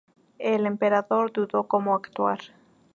El Emperador dudó como actuar.